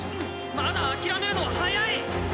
まだ諦めるのは早い！